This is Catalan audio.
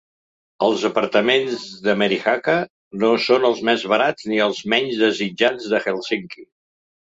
Els apartaments de Merihaka no són els més barats ni els menys desitjats de Helsinki.